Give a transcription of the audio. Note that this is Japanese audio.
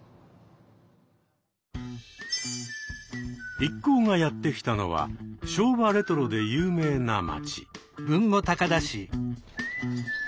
一行がやって来たのは昭和レトロで有名な町。